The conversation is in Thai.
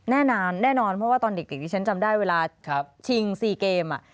แน่นอนแน่นอนเพราะว่าตอนเด็กที่ฉันจำได้เวลาชิง๔เกม